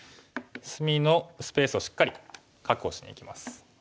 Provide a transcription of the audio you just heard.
隅のスペースをしっかり確保しにいきます。